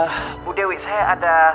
sesuatu yang ingin saya bicarakan kepada anda